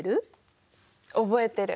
覚えてる。